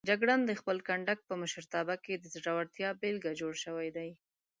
جګړن د خپل کنډک په مشرتابه کې د زړورتیا بېلګه جوړ شوی دی.